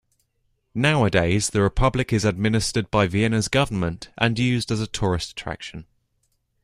Nowadays, the Republic is administred by Vienna's government and used as a tourist attraction.